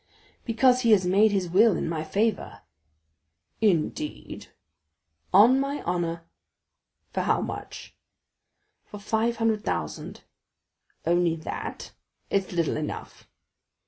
"Because he has made his will in my favor." "Indeed?" "On my honor." "For how much?" "For five hundred thousand." "Only that? It's little enough."